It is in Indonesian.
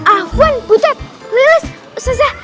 ah buan butet lewes ustaznya